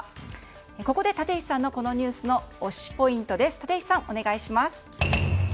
ここで立石さんのこのニュースの推しポイントです。